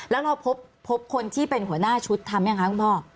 แล้วเราพบคนที่เป็นหัวหน้าชุดทำยังคะคุณพ่อ